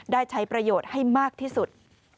ได้ใช้ประโยชน์ให้มากที่สุด